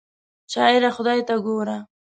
شاعره خدای ته ګوره!